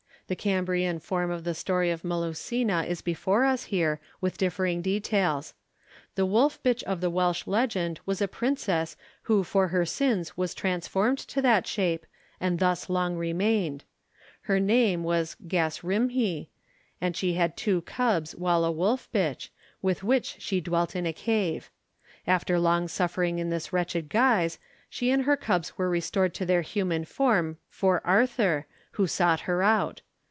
The Cambrian form of the story of Melusina is before us here, with differing details. The wolf bitch of the Welsh legend was a princess who for her sins was transformed to that shape, and thus long remained. Her name was Gast Rhymhi, and she had two cubs while a wolf bitch, with which she dwelt in a cave. After long suffering in this wretched guise, she and her cubs were restored to their human form 'for Arthur,' who sought her out.